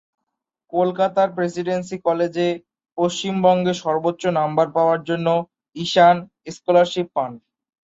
কলকাতার প্রেসিডেন্সি কলেজে পশ্চিমবঙ্গে সর্বোচ্চ নম্বর পাওয়ার জন্য ঈশান স্কলারশিপ পান।